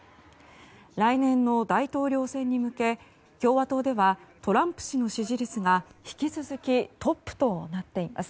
来年の大統領選に向け共和党ではトランプ氏の支持率が引き続きトップとなっています。